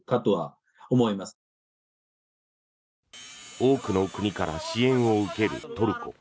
多くの国から支援を受けるトルコ。